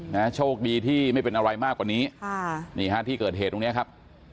นะโชคดีที่ไม่เป็นอะไรมากกว่านี้ค่ะนี่ฮะที่เกิดเหตุตรงเนี้ยครับ